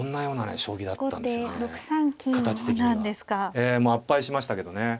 ええもう圧敗しましたけどね。